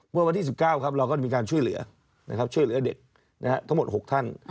เมื่อวันที่๑๙ครับเราก็มีการช่วยเหลือช่วยเหลือเด็กทั้งหมด๖ท่าน